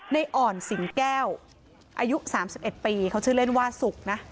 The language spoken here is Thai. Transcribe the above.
ในอ่อนสิงแก้วอายุสามสิบเอ็ดปีเขาชื่อเล่นว่าสุกนะ